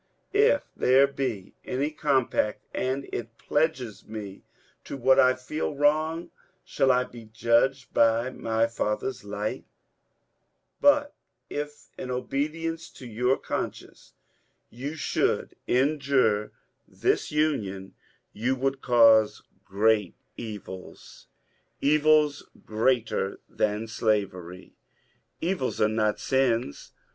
If there be any compact, and it pledges me to what I feel wrong, shall I be judged by my father's light ? But if, in obedience to your conscience, you should injure 234 MONCURE DANIEL CONWAY this Union, you would cause great evils — erils greater than slavery. EvUs are not sins.